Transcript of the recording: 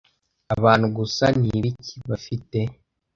Abantu gusa nibiki bafite